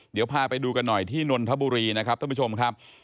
เดี๋ยวพาไปดูกันหน่อยที่นนทบุรีนะครับท่านผู้ชมครับ